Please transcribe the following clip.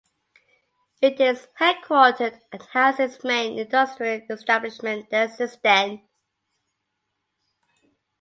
It is headquartered and has its main industrial establishment there since then.